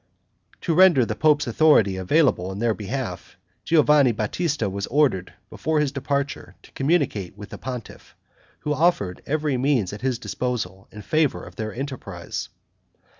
To render the pope's authority available in their behalf, Giovanni Batista was ordered, before his departure, to communicate with the pontiff, who offered every means at his disposal in favor of their enterprise.